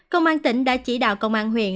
công an tỉnh đã chỉ đạo công an huyện